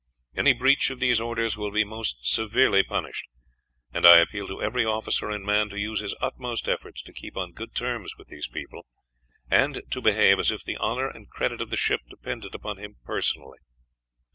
Any breach of these orders will be most severely punished; and I appeal to every officer and man to use his utmost efforts to keep on good terms with these people, and to behave as if the honor and credit of the ship depended upon him personally.